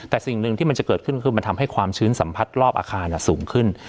แต่สิ่งหนึ่งที่มันจะเกิดขึ้นคือมันทำให้ความชื้นสัมผัสรอบอาคารสูงขึ้น